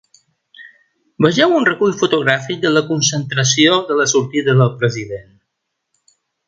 Vegeu un recull fotogràfic de la concentració i de la sortida del president.